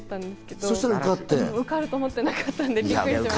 受かると思ってなかったんで。